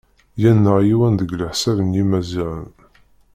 yen neɣ yiwen deg leḥsab n yimaziɣen.